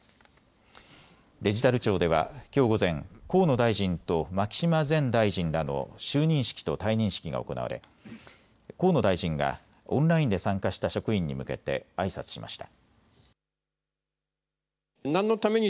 デジタル庁ではきょう午前、河野大臣と牧島前大臣らの就任式と退任式が行われ河野大臣がオンラインで参加した職員に向けてあいさつしました。